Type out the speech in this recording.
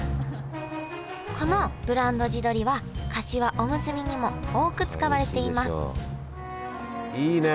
このブランド地どりはかしわおむすびにも多く使われていますいいね！